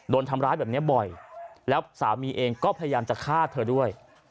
โดนทำร้ายแบบนี้บ่อยแล้วสามีเองก็พยายามจะฆ่าเธอด้วย